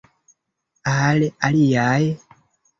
Al aliaj?